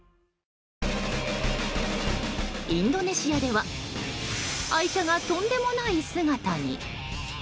インドネシアでは愛車がとんでもない姿に。